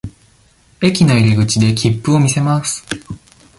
駅の入口で切符を見せます。